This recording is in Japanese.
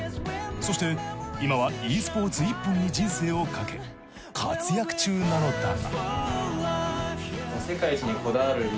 そして今はｅスポーツ１本に人生をかけ活躍中なのだが。